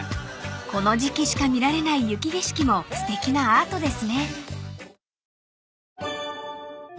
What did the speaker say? ［この時季しか見られない雪景色もすてきなアートですね］